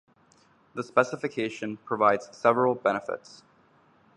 The specification provides several benefits.